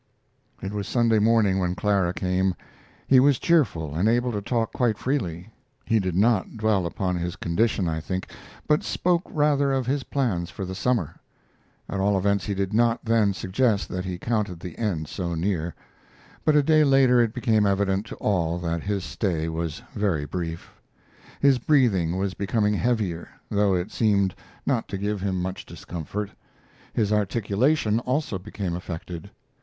It was Sunday morning when Clara came. He was cheerful and able to talk quite freely. He did not dwell upon his condition, I think, but spoke rather of his plans for the summer. At all events, he did not then suggest that he counted the end so near; but a day later it became evident to all that his stay was very brief. His breathing was becoming heavier, though it seemed not to give him much discomfort. His articulation also became affected.